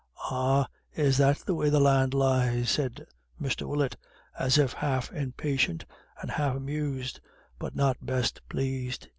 "Ah! is that the way the land lies?" said Mr. Willett, as if half impatient, and half amused, but not best pleased.